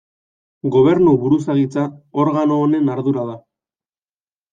Gobernu buruzagitza, organo honen ardura da.